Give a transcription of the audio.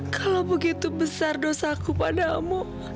kalau begitu besar dosaku padamu